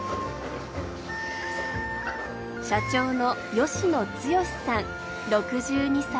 社長の吉野毅さん６２歳。